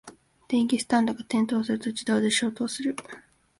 電気スタンドが転倒すると自動で消灯する